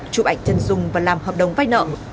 chụp ảnh chân dung và làm hợp đồng vay nợ